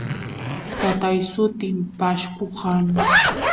tatay sutin pashku kan